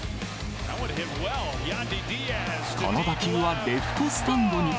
この打球はレフトスタンドに。